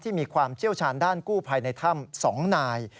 มีความเชี่ยวชาญด้านกู้ภัยในถ้ำ๒นาย